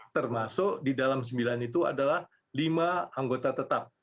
termasuk di dalam sembilan itu adalah lima anggota tetap